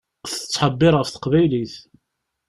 Tettḥebbiṛ ɣef teqbaylit.